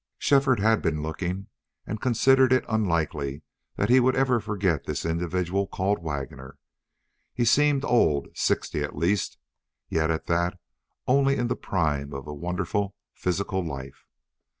Shefford had been looking, and considered it unlikely that he would ever forget this individual called Waggoner. He seemed old, sixty at least, yet at that only in the prime of a wonderful physical life.